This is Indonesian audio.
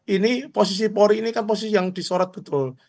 ini posisi polri ini kan posisi yang disorot betul